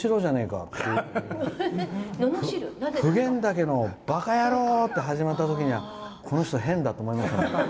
普賢岳のばか野郎！って始まったときはこの人、変だって思いました。